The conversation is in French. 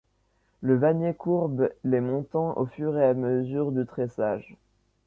Le vannier courbe les montants au fur et à mesure du tressage.